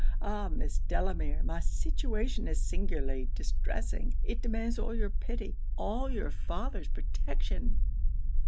Ah! Miss Delamere; my situation is singularly distressing. It demands all your pity; all your father's protection!'